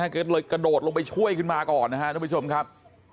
ก็เลยกระโดดลงไปช่วยขึ้นมาก่อนนะครับทุกผู้ชมครับ